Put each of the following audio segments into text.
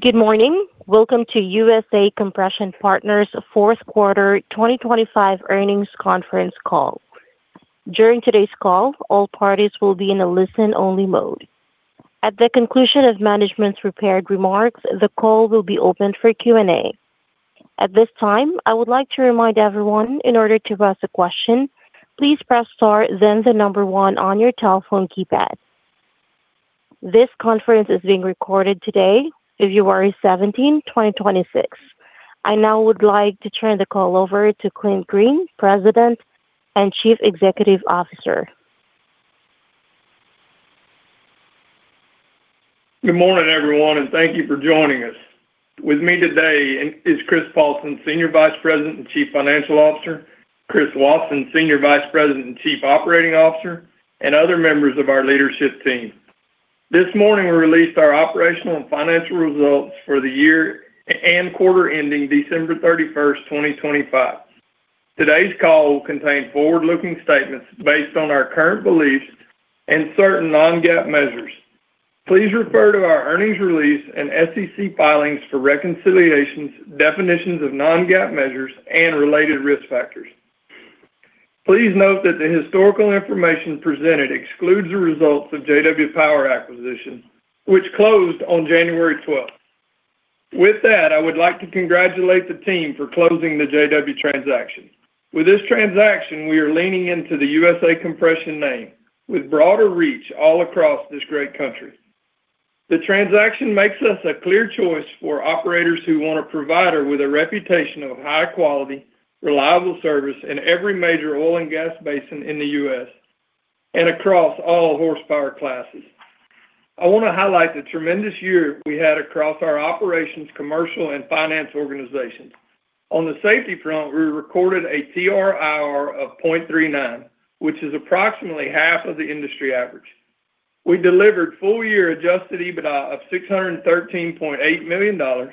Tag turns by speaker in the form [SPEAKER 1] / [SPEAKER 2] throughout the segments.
[SPEAKER 1] Good morning. Welcome to USA Compression Partners' Fourth Quarter 2025 Earnings Conference Call. During today's call, all parties will be in a listen-only mode. At the conclusion of management's prepared remarks, the call will be opened for Q&A. At this time, I would like to remind everyone, in order to ask a question, please press star, then the number one on your telephone keypad. This conference is being recorded today, February 17th, 2026. I now would like to turn the call over to Clint Green, President and Chief Executive Officer.
[SPEAKER 2] Good morning, everyone, and thank you for joining us. With me today is Chris Paulsen, Senior Vice President and Chief Financial Officer; Chris Wauson, Senior Vice President and Chief Operating Officer; and other members of our leadership team. This morning we released our operational and financial results for the year and quarter ending December 31st, 2025. Today's call will contain forward-looking statements based on our current beliefs and certain non-GAAP measures. Please refer to our earnings release and SEC filings for reconciliations, definitions of non-GAAP measures, and related risk factors. Please note that the historical information presented excludes the results of J-W Power acquisition, which closed on January 12th. With that, I would like to congratulate the team for closing the J-W transaction. With this transaction, we are leaning into the USA Compression name, with broader reach all across this great country. The transaction makes us a clear choice for operators who want to provide her with a reputation of high quality, reliable service in every major oil and gas basin in the U.S. and across all horsepower classes. I want to highlight the tremendous year we had across our operations, commercial, and finance organizations. On the safety front, we recorded a TRIR of 0.39, which is approximately half of the industry average. We delivered full-year Adjusted EBITDA of $613.8 million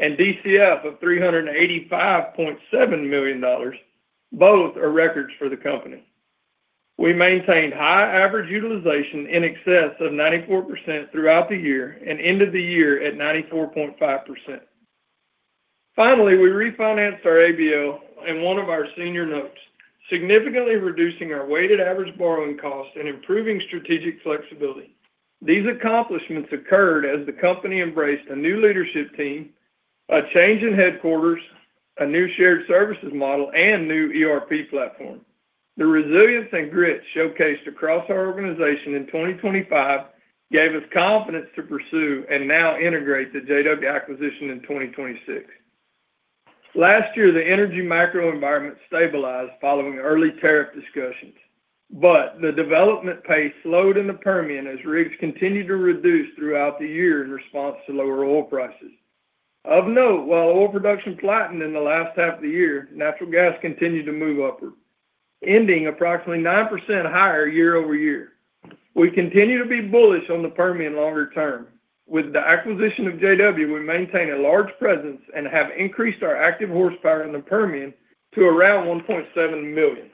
[SPEAKER 2] and DCF of $385.7 million, both are records for the company. We maintained high average utilization in excess of 94% throughout the year and ended the year at 94.5%. Finally, we refinanced our ABL in one of our senior notes, significantly reducing our weighted average borrowing costs and improving strategic flexibility. These accomplishments occurred as the company embraced a new leadership team, a change in headquarters, a new shared services model, and new ERP platform. The resilience and grit showcased across our organization in 2025 gave us confidence to pursue and now integrate the J-W acquisition in 2026. Last year, the energy macroenvironment stabilized following early tariff discussions, but the development pace slowed in the Permian as rigs continued to reduce throughout the year in response to lower oil prices. Of note, while oil production flattened in the last half of the year, natural gas continued to move upward, ending approximately 9% higher year-over-year. We continue to be bullish on the Permian longer term. With the acquisition of J-W, we maintain a large presence and have increased our active horsepower in the Permian to around 1.7 million.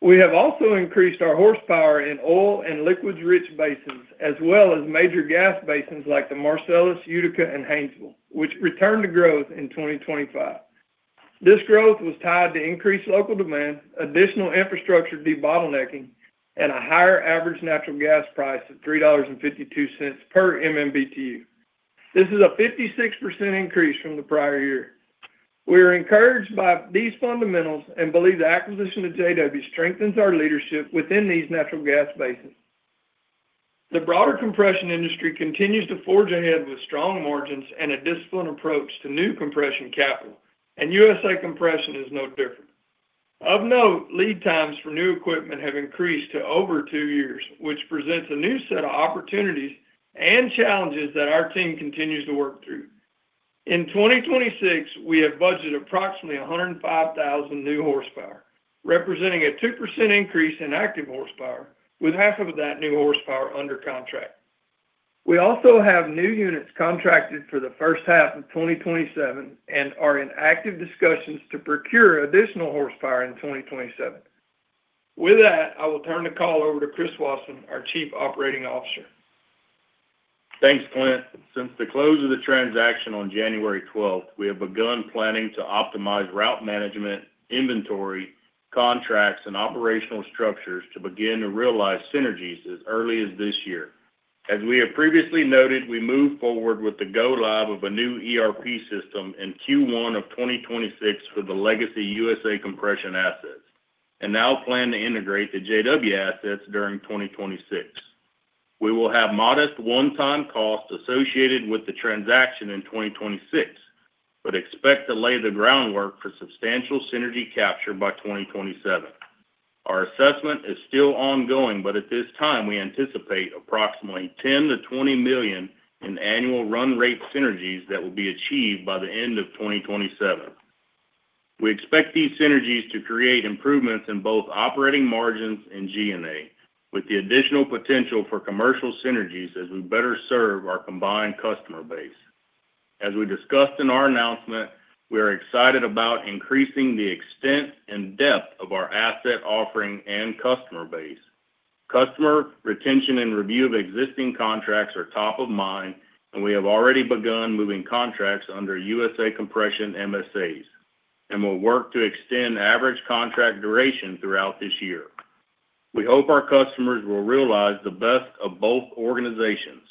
[SPEAKER 2] We have also increased our horsepower in oil and liquids-rich basins, as well as major gas basins like the Marcellus, Utica, and Haynesville, which returned to growth in 2025. This growth was tied to increased local demand, additional infrastructure debottlenecking, and a higher average natural gas price of $3.52 per MMBTU. This is a 56% increase from the prior year. We are encouraged by these fundamentals and believe the acquisition of J-W strengthens our leadership within these natural gas basins. The broader compression industry continues to forge ahead with strong margins and a disciplined approach to new compression capital, and USA Compression is no different. Of note, lead times for new equipment have increased to over two years, which presents a new set of opportunities and challenges that our team continues to work through. In 2026, we have budgeted approximately 105,000 new horsepower, representing a 2% increase in active horsepower, with half of that new horsepower under contract. We also have new units contracted for the first half of 2027 and are in active discussions to procure additional horsepower in 2027. With that, I will turn the call over to Chris Wauson, our Chief Operating Officer.
[SPEAKER 3] Thanks, Clint. Since the close of the transaction on January 12th, we have begun planning to optimize route management, inventory, contracts, and operational structures to begin to realize synergies as early as this year. As we have previously noted, we moved forward with the go-live of a new ERP system in Q1 of 2026 for the legacy USA Compression assets and now plan to integrate the J-W assets during 2026. We will have modest one-time costs associated with the transaction in 2026 but expect to lay the groundwork for substantial synergy capture by 2027. Our assessment is still ongoing, but at this time, we anticipate approximately $10 million-$20 million in annual run-rate synergies that will be achieved by the end of 2027. We expect these synergies to create improvements in both operating margins and G&A, with the additional potential for commercial synergies as we better serve our combined customer base. As we discussed in our announcement, we are excited about increasing the extent and depth of our asset offering and customer base. Customer retention and review of existing contracts are top of mind, and we have already begun moving contracts under USA Compression MSAs and will work to extend average contract duration throughout this year. We hope our customers will realize the best of both organizations.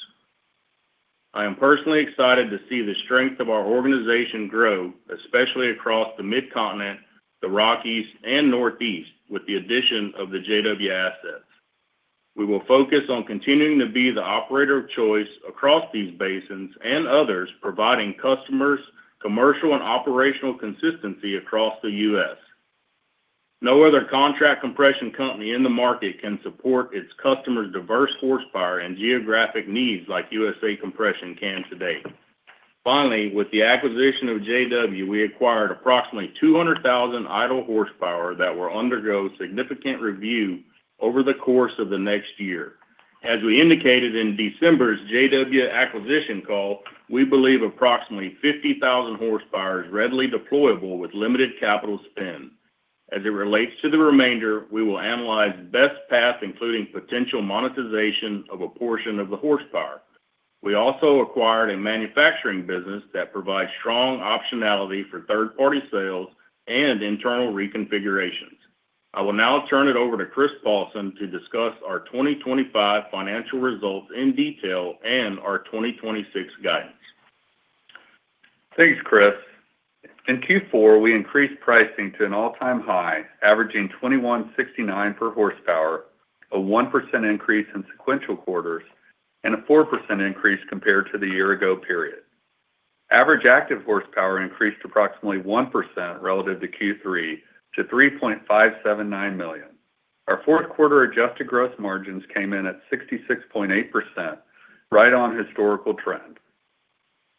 [SPEAKER 3] I am personally excited to see the strength of our organization grow, especially across the Midcontinent, the Rockies, and Northeast with the addition of the J-W assets. We will focus on continuing to be the operator of choice across these basins and others, providing customers commercial and operational consistency across the U.S. No other contract compression company in the market can support its customers' diverse horsepower and geographic needs like USA Compression can today. Finally, with the acquisition of J-W, we acquired approximately 200,000 idle horsepower that will undergo significant review over the course of the next year. As we indicated in December's J-W acquisition call, we believe approximately 50,000 hp is readily deployable with limited capital spend. As it relates to the remainder, we will analyze best path, including potential monetization of a portion of the horsepower. We also acquired a manufacturing business that provides strong optionality for third-party sales and internal reconfigurations. I will now turn it over to Chris Paulsen to discuss our 2025 financial results in detail and our 2026 guidance.
[SPEAKER 4] Thanks, Chris. In Q4, we increased pricing to an all-time high, averaging $21.69 per horsepower, a 1% increase in sequential quarters, and a 4% increase compared to the year-ago period. Average active horsepower increased approximately 1% relative to Q3 to 3.579 million. Our fourth quarter adjusted gross margins came in at 66.8%, right on historical trend.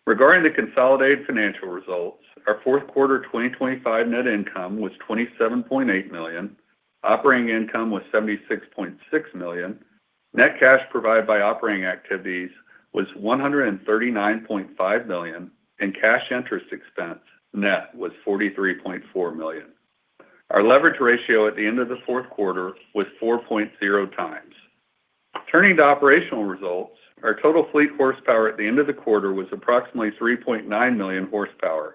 [SPEAKER 4] Regarding the consolidated financial results, our fourth quarter 2025 net income was $27.8 million, operating income was $76.6 million, net cash provided by operating activities was $139.5 million, and cash interest expense net was $43.4 million. Our leverage ratio at the end of the fourth quarter was 4.0x. Turning to operational results, our total fleet horsepower at the end of the quarter was approximately 3.9 million hp,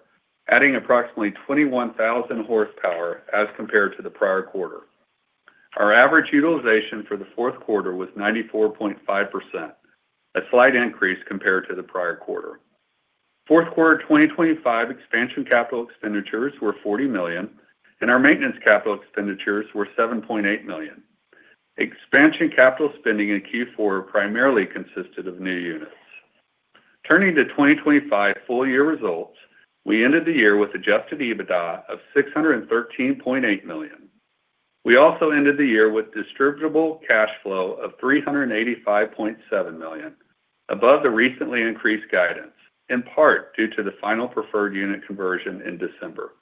[SPEAKER 4] adding approximately 21,000 hp as compared to the prior quarter. Our average utilization for the fourth quarter was 94.5%, a slight increase compared to the prior quarter. Fourth quarter 2025 expansion capital expenditures were $40 million, and our maintenance capital expenditures were $7.8 million. Expansion capital spending in Q4 primarily consisted of new units. Turning to 2025 full-year results, we ended the year with Adjusted EBITDA of $613.8 million. We also ended the year with Distributable Cash Flow of $385.7 million, above the recently increased guidance, in part due to the final preferred unit conversion in December.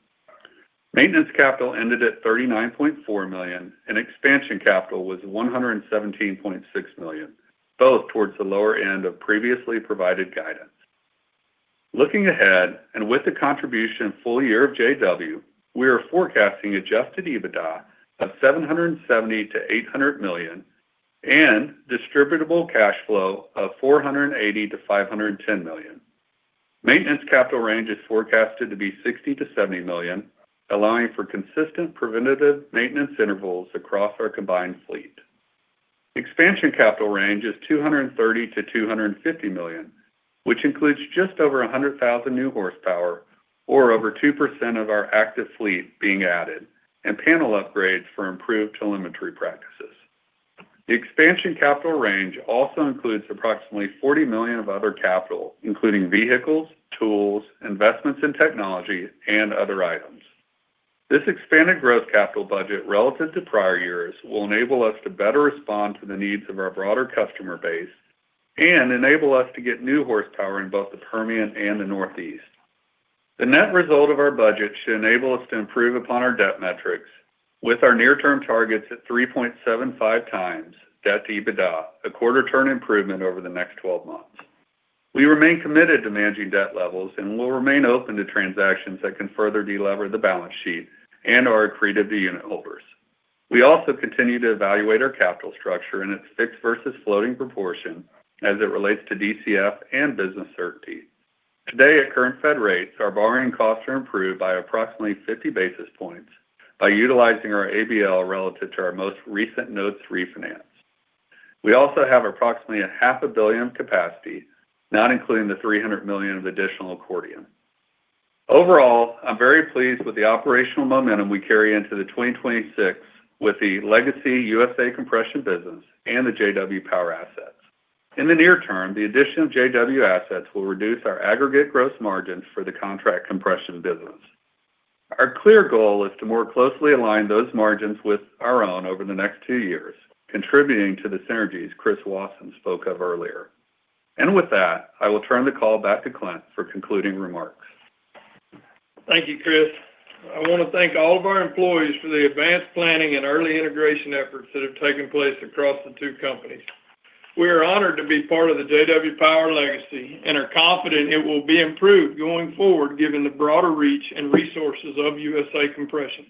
[SPEAKER 4] Maintenance capital ended at $39.4 million, and expansion capital was $117.6 million, both towards the lower end of previously provided guidance. Looking ahead and with the contribution full year of J-W, we are forecasting Adjusted EBITDA of $770 million-$800 million and Distributable Cash Flow of $480 million-$510 million. Maintenance capital range is forecasted to be $60 million-$70 million, allowing for consistent preventative maintenance intervals across our combined fleet. Expansion capital range is $230 million-$250 million, which includes just over 100,000 new horsepower or over 2% of our active fleet being added and panel upgrades for improved telemetry practices. The expansion capital range also includes approximately $40 million of other capital, including vehicles, tools, investments in technology, and other items. This expanded gross capital budget relative to prior years will enable us to better respond to the needs of our broader customer base and enable us to get new horsepower in both the Permian and the Northeast. The net result of our budget should enable us to improve upon our debt metrics, with our near-term targets at 3.75x debt to EBITDA, a quarter-term improvement over the next 12 months. We remain committed to managing debt levels and will remain open to transactions that can further delever the balance sheet and/or accretive the unit holders. We also continue to evaluate our capital structure in its fixed versus floating proportion as it relates to DCF and business certainty. Today, at current Fed rates, our borrowing costs are improved by approximately 50 basis points by utilizing our ABL relative to our most recent notes refinance. We also have approximately $500 million capacity, not including the $300 million of additional accordion. Overall, I'm very pleased with the operational momentum we carry into 2026 with the legacy USA Compression business and the J-W Power assets. In the near term, the addition of J-W assets will reduce our aggregate gross margins for the contract compression business. Our clear goal is to more closely align those margins with our own over the next two years, contributing to the synergies Chris Wauson spoke of earlier. With that, I will turn the call back to Clint for concluding remarks.
[SPEAKER 2] Thank you, Chris. I want to thank all of our employees for the advanced planning and early integration efforts that have taken place across the two companies. We are honored to be part of the J-W Power legacy and are confident it will be improved going forward given the broader reach and resources of USA Compression.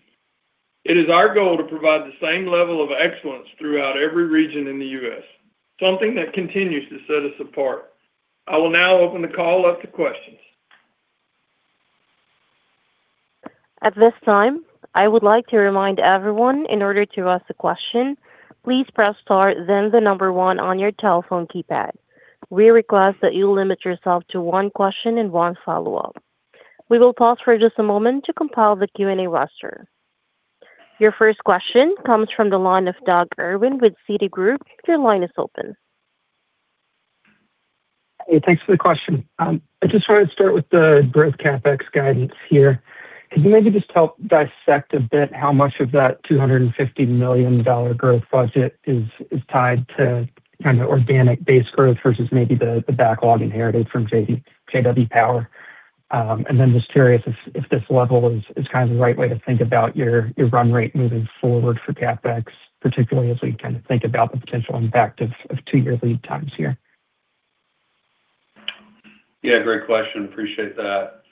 [SPEAKER 2] It is our goal to provide the same level of excellence throughout every region in the U.S., something that continues to set us apart. I will now open the call up to questions.
[SPEAKER 1] At this time, I would like to remind everyone, in order to ask a question, please press star, then the number one on your telephone keypad. We request that you limit yourself to one question and one follow-up. We will pause for just a moment to compile the Q&A roster. Your first question comes from the line of Doug Irwin with Citigroup. Your line is open.
[SPEAKER 5] Hey, thanks for the question. I just wanted to start with the growth CapEx guidance here. Could you maybe just help dissect a bit how much of that $250 million growth budget is tied to kind of organic base growth versus maybe the backlog inherited from J-W Power? And then just curious if this level is kind of the right way to think about your run rate moving forward for CapEx, particularly as we kind of think about the potential impact of two-year lead times here.
[SPEAKER 4] Yeah, great question. Appreciate that.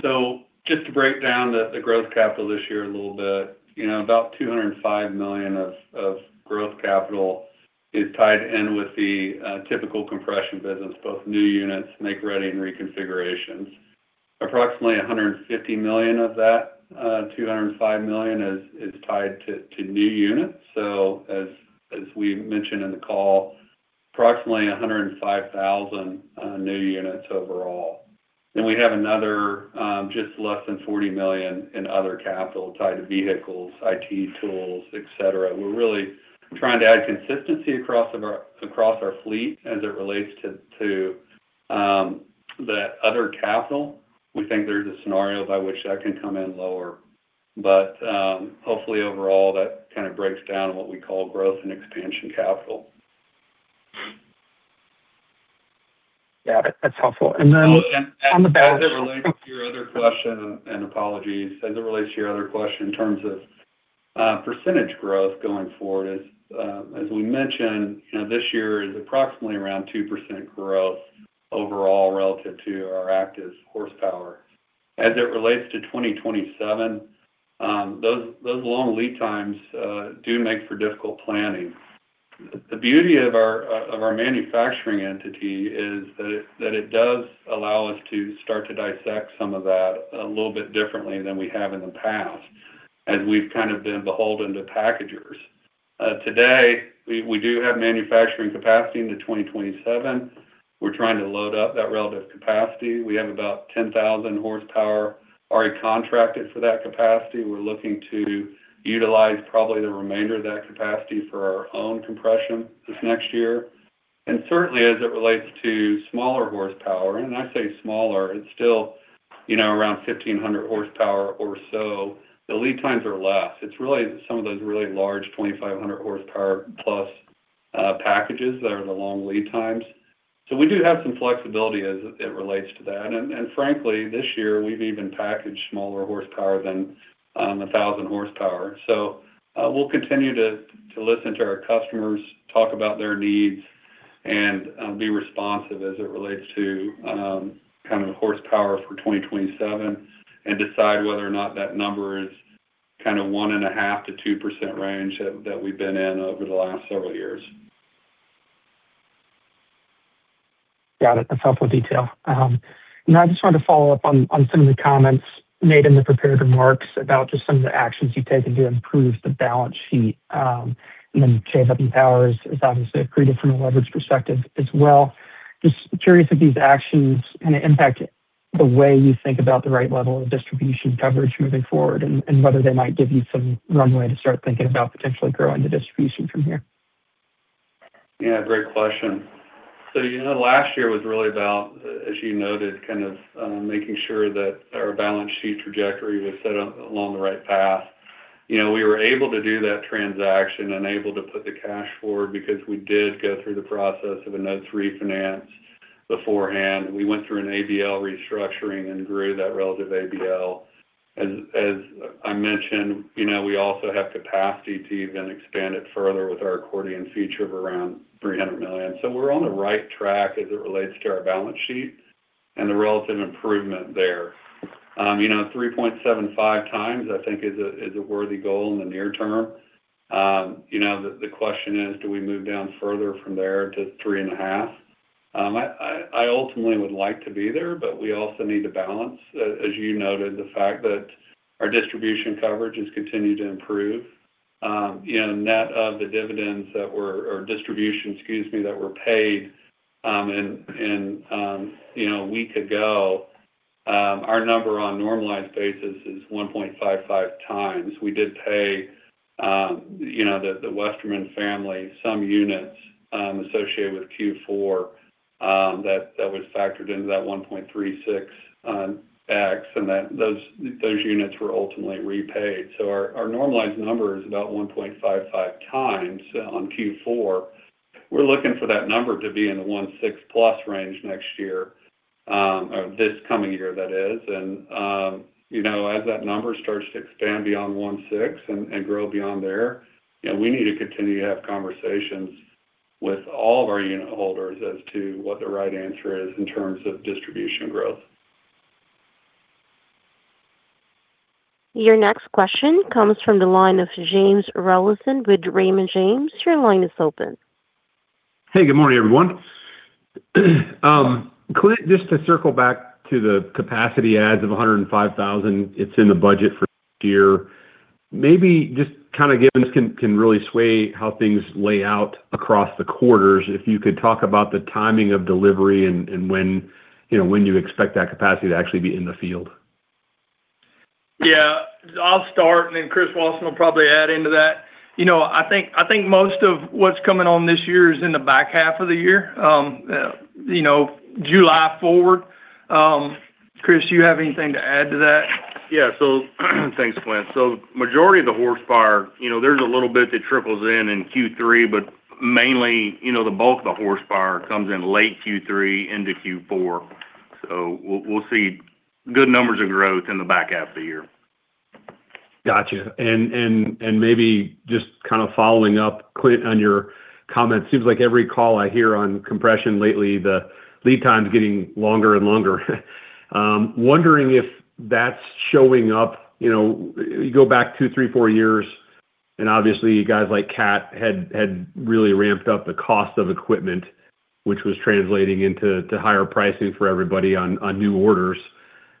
[SPEAKER 4] So just to break down the growth capital this year a little bit, about $205 million of growth capital is tied in with the typical compression business, both new units, make-ready, and reconfigurations. Approximately $150 million of that, $205 million, is tied to new units. So as we mentioned in the call, approximately 105,000 new units overall. Then we have another just less than $40 million in other capital tied to vehicles, IT, tools, etc. We're really trying to add consistency across our fleet as it relates to that other capital. We think there's a scenario by which that can come in lower. But hopefully, overall, that kind of breaks down what we call growth and expansion capital.
[SPEAKER 5] Yeah, that's helpful. And then on the balance.
[SPEAKER 4] As it relates to your other question and apologies, as it relates to your other question in terms of percentage growth going forward, as we mentioned, this year is approximately around 2% growth overall relative to our active horsepower. As it relates to 2027, those long lead times do make for difficult planning. The beauty of our manufacturing entity is that it does allow us to start to dissect some of that a little bit differently than we have in the past as we've kind of been beholden to packagers. Today, we do have manufacturing capacity into 2027. We're trying to load up that relative capacity. We have about 10,000 hp already contracted for that capacity. We're looking to utilize probably the remainder of that capacity for our own compression this next year. Certainly, as it relates to smaller horsepower and I say smaller, it's still around 1,500 hp or so. The lead times are less. It's really some of those really large 2,500 hp-plus packages that are the long lead times. So we do have some flexibility as it relates to that. And frankly, this year, we've even packaged smaller horsepower than 1,000 hp. So we'll continue to listen to our customers, talk about their needs, and be responsive as it relates to kind of horsepower for 2027 and decide whether or not that number is kind of 1.5%-2% range that we've been in over the last several years.
[SPEAKER 5] Got it. That's helpful detail. Now, I just wanted to follow up on some of the comments made in the prepared remarks about just some of the actions you've taken to improve the balance sheet. And then J-W Power is obviously accretive from a leverage perspective as well. Just curious if these actions kind of impact the way you think about the right level of distribution coverage moving forward and whether they might give you some runway to start thinking about potentially growing the distribution from here.
[SPEAKER 4] Yeah, great question. So last year was really about, as you noted, kind of making sure that our balance sheet trajectory was set along the right path. We were able to do that transaction and able to put the cash forward because we did go through the process of a notes refinance beforehand. We went through an ABL restructuring and grew that relative ABL. As I mentioned, we also have capacity to even expand it further with our accordion feature of around $300 million. So we're on the right track as it relates to our balance sheet and the relative improvement there. 3.75x, I think, is a worthy goal in the near term. The question is, do we move down further from there to 3.5x? I ultimately would like to be there, but we also need to balance, as you noted, the fact that our distribution coverage has continued to improve. Net of the dividends that were or distribution, excuse me, that were paid a week ago, our number on normalized basis is 1.55x. We did pay the Westerman family some units associated with Q4 that was factored into that 1.36x, and those units were ultimately repaid. So our normalized number is about 1.55x on Q4. We're looking for that number to be in the 1.6x+ range next year or this coming year, that is. And as that number starts to expand beyond 1.6x and grow beyond there, we need to continue to have conversations with all of our unit holders as to what the right answer is in terms of distribution growth.
[SPEAKER 1] Your next question comes from the line of James Rollyson with Raymond James. Your line is open.
[SPEAKER 6] Hey, good morning, everyone. Clint, just to circle back to the capacity adds of 105,000, it's in the budget for this year. Maybe just kind of given this can really sway how things lay out across the quarters, if you could talk about the timing of delivery and when you expect that capacity to actually be in the field.
[SPEAKER 2] Yeah. I'll start, and then Chris Wauson will probably add into that. I think most of what's coming on this year is in the back half of the year, July forward. Chris, do you have anything to add to that?
[SPEAKER 3] Yeah. So thanks, Clint. So majority of the horsepower, there's a little bit that trickles in in Q3, but mainly the bulk of the horsepower comes in late Q3 into Q4. So we'll see good numbers of growth in the back half of the year.
[SPEAKER 6] Gotcha. And maybe just kind of following up, Clint, on your comment, it seems like every call I hear on compression lately, the lead time's getting longer and longer. Wondering if that's showing up. You go back two, three, four years, and obviously, guys like CAT had really ramped up the cost of equipment, which was translating into higher pricing for everybody on new orders.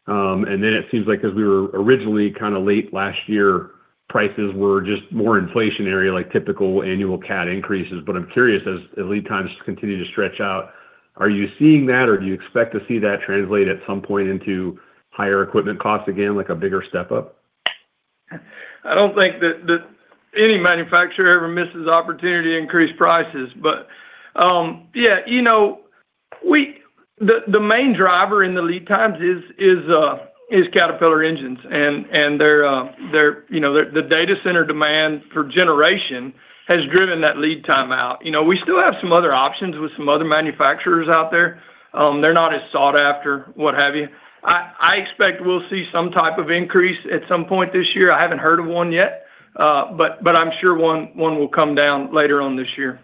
[SPEAKER 6] And then it seems like as we were originally kind of late last year, prices were just more inflationary, like typical annual CAT increases. But I'm curious, as lead times continue to stretch out, are you seeing that, or do you expect to see that translate at some point into higher equipment costs again, like a bigger step up?
[SPEAKER 2] I don't think that any manufacturer ever misses opportunity to increase prices. But yeah, the main driver in the lead times is Caterpillar engines. And the data center demand for generation has driven that lead time out. We still have some other options with some other manufacturers out there. They're not as sought after, what have you. I expect we'll see some type of increase at some point this year. I haven't heard of one yet, but I'm sure one will come down later on this year.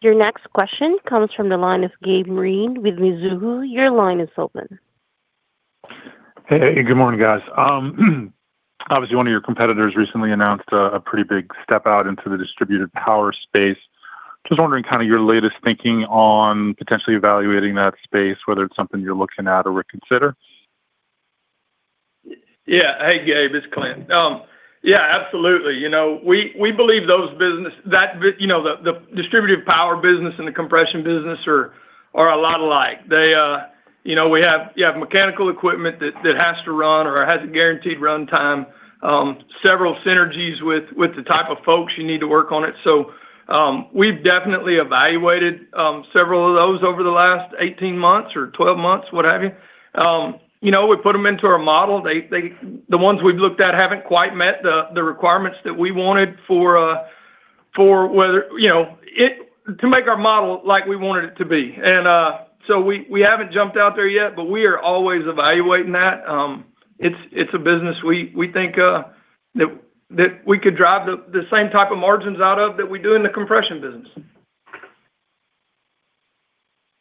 [SPEAKER 1] Your next question comes from the line of Gabe Moreen with Mizuho. Your line is open.
[SPEAKER 7] Hey, good morning, guys. Obviously, one of your competitors recently announced a pretty big step out into the distributed power space. Just wondering kind of your latest thinking on potentially evaluating that space, whether it's something you're looking at or reconsider?
[SPEAKER 2] Yeah. Hey, Gabe. It's Clint. Yeah, absolutely. We believe those business the distributed power business and the compression business are a lot alike. We have mechanical equipment that has to run or has a guaranteed runtime, several synergies with the type of folks you need to work on it. So we've definitely evaluated several of those over the last 18 months or 12 months, what have you. We put them into our model. The ones we've looked at haven't quite met the requirements that we wanted for whether to make our model like we wanted it to be. And so we haven't jumped out there yet, but we are always evaluating that. It's a business we think that we could drive the same type of margins out of that we do in the compression business.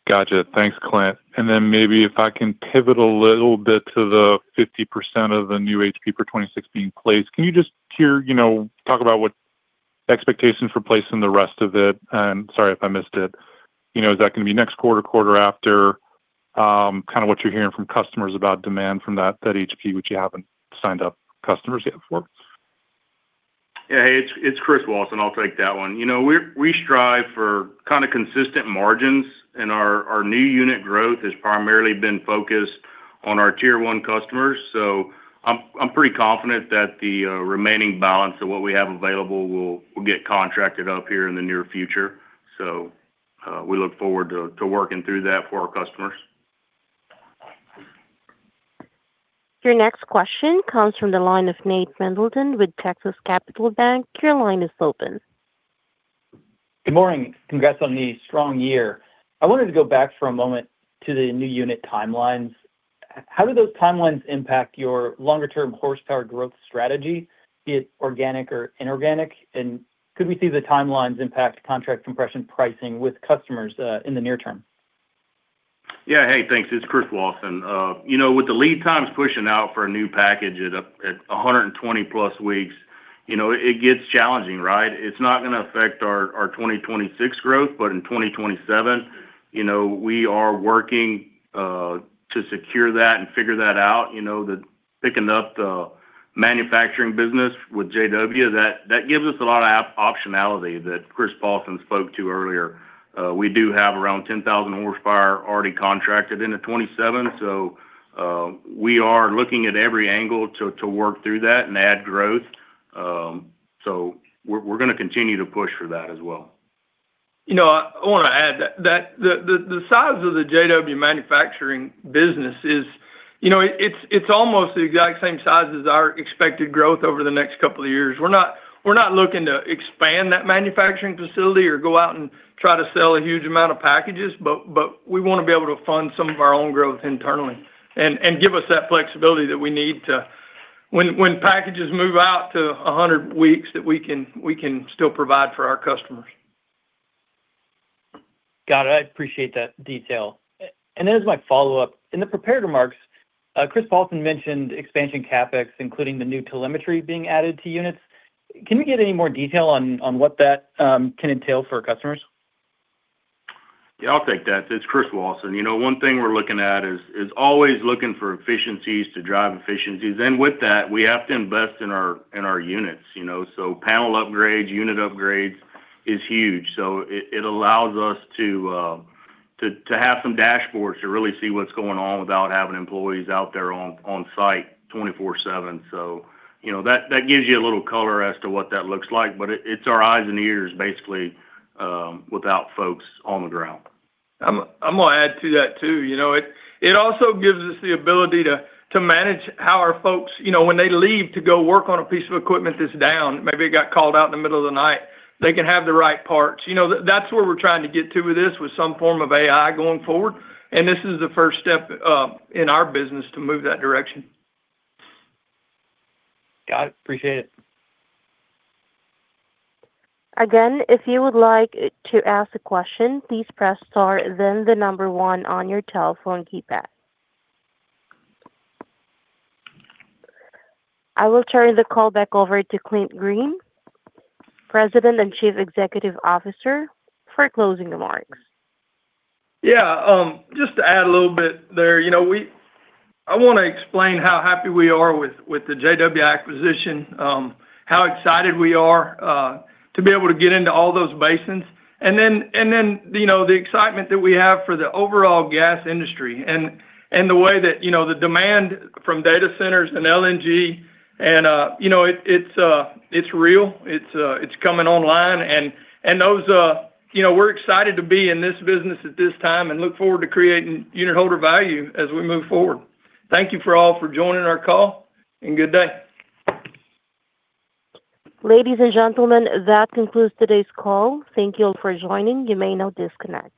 [SPEAKER 7] Gotcha. Thanks, Clint. And then maybe if I can pivot a little bit to the 50% of the new HP for 2016 place, can you just talk about what expectations are placed in the rest of it? And sorry if I missed it. Is that going to be next quarter, quarter after, kind of what you're hearing from customers about demand from that HP, which you haven't signed up customers yet for?
[SPEAKER 3] Yeah. Hey, it's Chris Wauson. I'll take that one. We strive for kind of consistent margins, and our new unit growth has primarily been focused on our tier one customers. So I'm pretty confident that the remaining balance of what we have available will get contracted up here in the near future. So we look forward to working through that for our customers.
[SPEAKER 1] Your next question comes from the line of Nate Pendleton with Texas Capital Bank. Your line is open.
[SPEAKER 8] Good morning. Congrats on the strong year. I wanted to go back for a moment to the new unit timelines. How do those timelines impact your longer-term horsepower growth strategy, be it organic or inorganic? And could we see the timelines impact contract compression pricing with customers in the near term?
[SPEAKER 3] Yeah. Hey, thanks. It's Chris Wauson. With the lead times pushing out for a new package at 120+ weeks, it gets challenging, right? It's not going to affect our 2026 growth, but in 2027, we are working to secure that and figure that out. Picking up the manufacturing business with J-W, that gives us a lot of optionality that Chris Paulsen spoke to earlier. We do have around 10,000 hp already contracted into 2027. So we are looking at every angle to work through that and add growth. So we're going to continue to push for that as well.
[SPEAKER 2] I want to add that the size of the J-W manufacturing business is, it's almost the exact same size as our expected growth over the next couple of years. We're not looking to expand that manufacturing facility or go out and try to sell a huge amount of packages, but we want to be able to fund some of our own growth internally and give us that flexibility that we need when packages move out to 100 weeks that we can still provide for our customers.
[SPEAKER 8] Got it. I appreciate that detail. And then as my follow-up, in the prepared remarks, Chris Paulsen mentioned expansion CapEx, including the new telemetry being added to units. Can we get any more detail on what that can entail for customers?
[SPEAKER 3] Yeah, I'll take that. It's Chris Wauson. One thing we're looking at is always looking for efficiencies to drive efficiencies. And with that, we have to invest in our units. So panel upgrades, unit upgrades is huge. So it allows us to have some dashboards to really see what's going on without having employees out there on site 24/7. So that gives you a little color as to what that looks like. But it's our eyes and ears, basically, without folks on the ground.
[SPEAKER 2] I'm going to add to that too. It also gives us the ability to manage how our folks, when they leave to go work on a piece of equipment that's down, maybe it got called out in the middle of the night, they can have the right parts. That's where we're trying to get to with this, with some form of AI going forward. This is the first step in our business to move that direction.
[SPEAKER 8] Got it. Appreciate it.
[SPEAKER 1] Again, if you would like to ask a question, please press star, then one on your telephone keypad. I will turn the call back over to Clint Green, President and Chief Executive Officer, for closing remarks.
[SPEAKER 2] Yeah. Just to add a little bit there, I want to explain how happy we are with the J-W acquisition, how excited we are to be able to get into all those basins, and then the excitement that we have for the overall gas industry and the way that the demand from data centers and LNG, and it's real. It's coming online. And we're excited to be in this business at this time and look forward to creating unit holder value as we move forward. Thank you for all for joining our call, and good day.
[SPEAKER 1] Ladies and gentlemen, that concludes today's call. Thank you all for joining. You may now disconnect.